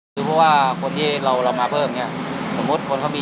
หรือว่าคนที่เรามาเพิ่มเขามีอย่อ่ะ๕คนเขาวิ่งได้วันเท่านี้